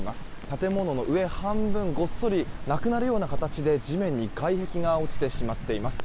建物の上半分ごっそりなくなるような形で地面に外壁が落ちてしまっています。